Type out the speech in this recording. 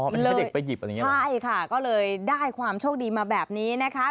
อ๋อให้เด็กไปหยิบใช่ค่ะก็เลยได้ความโชคดีมาแบบนี้นะคะ